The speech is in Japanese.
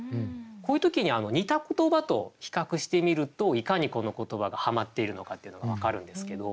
こういう時に似た言葉と比較してみるといかにこの言葉がはまっているのかっていうのが分かるんですけど。